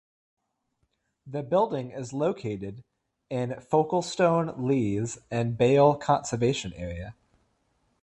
The building is located in Folkestone Leas and Bayle Conservation area.